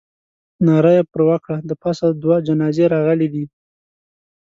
ناره یې پر وکړه. د پاسه دوه جنازې راغلې دي.